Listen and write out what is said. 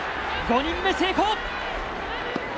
５人目成功！